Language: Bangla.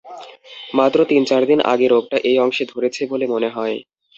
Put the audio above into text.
মাত্র তিন-চারদিন আগে রোগটা এই অংশে ধরেছে বলে মনে হয়।